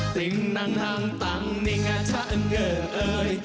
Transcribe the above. ติ้งนั่งนั่งตังนิงอาจจะเอิ้งเงิน